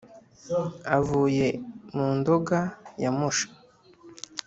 Avuye mu ndoga ya musha